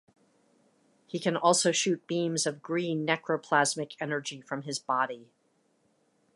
He can also shoot beams of green necroplasmic energy from his body.